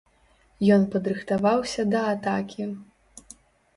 Ён падрыхтаваўся да атакі.